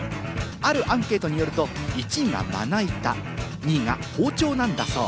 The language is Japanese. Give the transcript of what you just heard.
あるアンケートによると、１位がまな板、２位が包丁なんだそう。